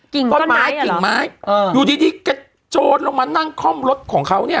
กิ่งต้นไม้ต้นไม้เอออยู่ทีที่กระโจนลงมานั่งคอมรถของเขาเนี้ย